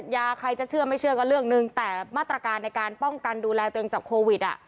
ยาใครจะเชื่อไม่เชื่อก็เรื่องหนึ่งแต่มาตรการในการป้องกันดูแลตัวเองจากโควิดอ่ะ